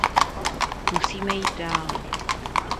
Musíme jít dále.